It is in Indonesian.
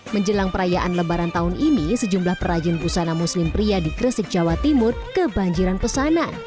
menjelang perayaan lebaran tahun ini sejumlah perajin busana muslim pria di gresik jawa timur kebanjiran pesanan